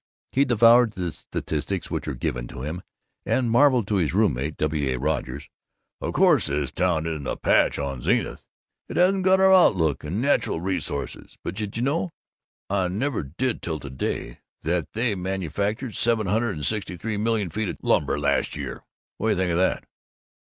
He devoured the statistics which were given to him, and marveled to his roommate, W. A. Rogers, "Of course this town isn't a patch on Zenith; it hasn't got our outlook and natural resources; but did you know I nev' did till to day that they manufactured seven hundred and sixty three million feet of lumber last year? What d' you think of that!"